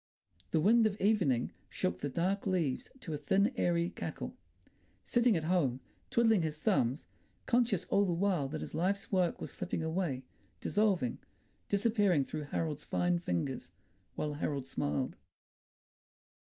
The wind of evening shook the dark leaves to a thin airy cackle. Sitting at home, twiddling his thumbs, conscious all the while that his life's work was slipping away, dissolving, disappearing through Harold's fine fingers, while Harold smiled....